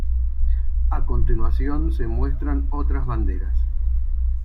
A continuación se muestran otras banderas.